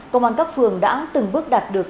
công an các phường đã từng bước đạt được